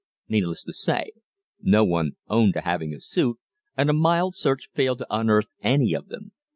Needless to say, no one owned to having a suit, and a mild search failed to unearth any of them.